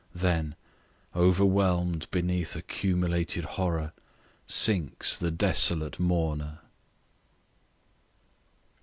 Then, overwhelm'd Beneath accumulated horror, sinks The desolate mourner!